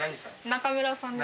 中村さんです。